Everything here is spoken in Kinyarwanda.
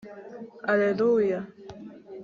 allelua